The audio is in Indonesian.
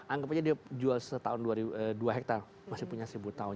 anggap aja dia jual setahun dua hektare masih punya seribu tahun